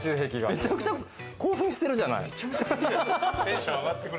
めちゃくちゃ興奮してるじゃない。